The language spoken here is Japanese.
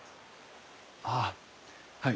ああはい。